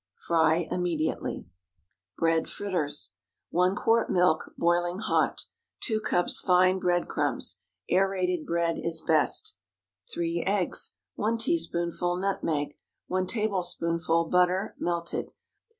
Fry immediately. BREAD FRITTERS. 1 quart milk—boiling hot. 2 cups fine bread crumbs (aërated bread is best). 3 eggs. 1 teaspoonful nutmeg. 1 tablespoonful butter—melted.